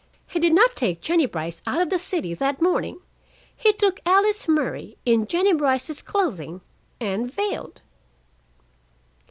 "He did not take Jennie Brice out of the city that morning. He took Alice Murray in Jennie Brice's clothing, and veiled."